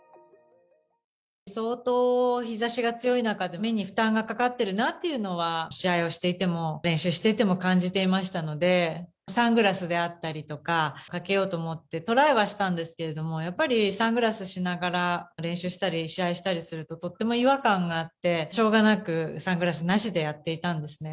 相当日ざしが強い中で、目に負担がかかってるなっていうのは試合をしていても、練習していても感じていましたので、サングラスであったりとか、かけようと思ってトライはしたんですけれども、やっぱり、サングラスしながら練習したり試合したりすると、とっても違和感があって、しょうがなくサングラスなしでやっていたんですね。